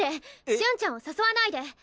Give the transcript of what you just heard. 瞬ちゃんを誘わないで！